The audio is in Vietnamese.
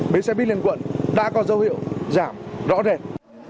bến xe bít liên quận đã có dấu hiệu giảm rõ rệt